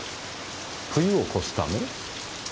冬を越すため？